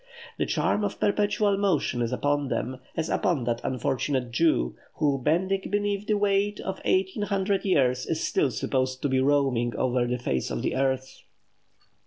The charm of perpetual motion is upon them, as upon that unfortunate Jew, who, bending beneath the weight of eighteen hundred years, is still supposed to be roaming over the face of the earth.